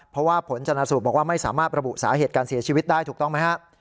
เพราะว่าผลชนะสูตรบอกว่าไม่สามารถระบุสาเหตุการเสียชีวิตได้ถูกต้องไหมครับ